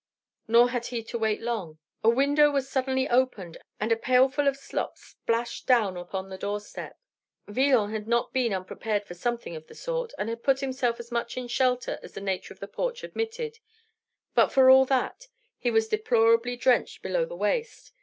Nor had he to wait long. A window was suddenly opened, and a pailful of slops splashed down upon the doorstep. Villon had not been unprepared for something of the sort, and had put himself as much in shelter as the nature of the porch admitted; but for all that, he was deplorably drenched below the waist.